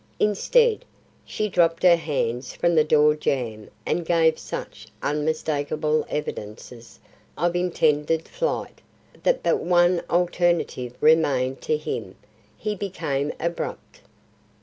Instead, she dropped her hands from the door jamb and gave such unmistakable evidences of intended flight, that but one alternative remained to him; he became abrupt.